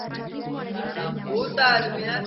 Topatzen ez badute, baskula zegoen tokia arakatuko dute.